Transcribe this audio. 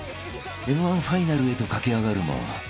［Ｍ−１ファイナルへと駆け上がるも］